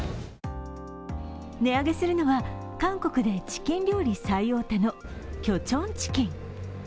値上げするのは、韓国でチキン料理最大手のキョチョンチキン。